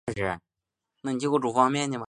圣昂德雷德罗科龙格人口变化图示